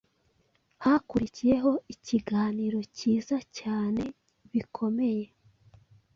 Hakurikiyeho ikiganiro cyiza cyane bikomeye.